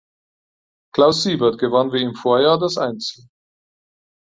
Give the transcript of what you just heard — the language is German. Klaus Siebert gewann wie im Vorjahr das Einzel.